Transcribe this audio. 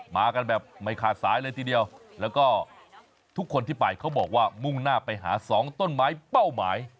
มากันแบบไม่ขาดสายเลยทีเดียวแล้วก็ทุกคนที่ไปเขาบอกว่ามุ่งหน้าไปหาสองต้นไม้เป้าหมาย